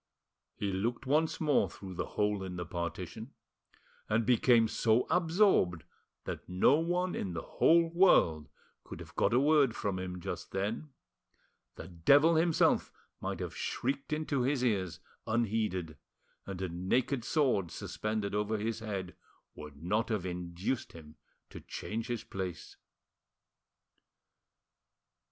He looked once more through the hole in the partition, and became so absorbed that no one in the whole world could have got a word from him just then; the devil himself might have shrieked into his ears unheeded, and a naked sword suspended over his head would not have induced him to change his place.